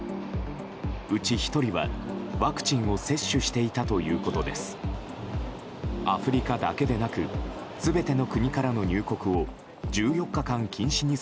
うち１人はワクチンを接種していたということです。